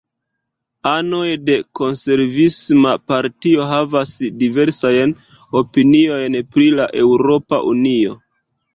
Anoj de Konservisma Partio havas diversajn opiniojn pri la Eŭropa Unio.